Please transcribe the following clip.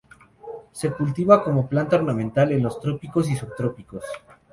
Se cultiva como planta ornamental en los trópicos y subtrópicos.